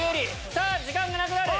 さぁ時間がなくなる！